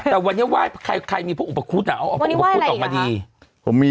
แต่วันนี้ว่ายใครมีพวกอุปกรุษน่ะเอาอุปกรุษออกมาดีวันนี้ว่ายอะไรอีกหรอครับ